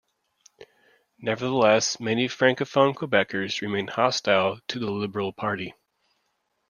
Nevertheless, many francophone Quebecers remained hostile to the Liberal Party.